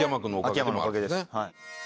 秋山のおかげです。